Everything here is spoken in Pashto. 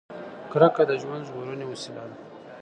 کرکه د ژوند ژغورنې وسیله ده.